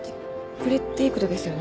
これっていいことですよね？